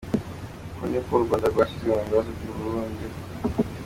Uko niko u Rwanda rwashyizwe mu bibazo by’u Burundi.”